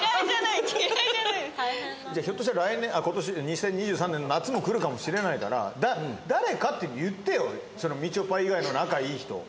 ひょっとしたら２０２３年の夏も来るかもしれないから誰かって言ってよみちょぱ以外の仲いい人。